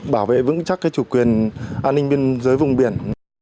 bảo vệ vững chắc cái chủ quyền an ninh biên giới vùng biển